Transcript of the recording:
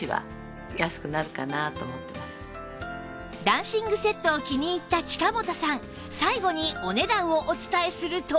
暖寝具セットを気に入った近本さん